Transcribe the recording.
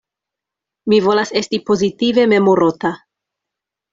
Mi volas esti pozitive memorota!